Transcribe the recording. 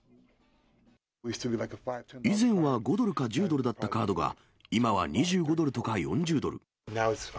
以前は５ドルか１０ドルだったカードが、今は２５ドルとか４０ドル。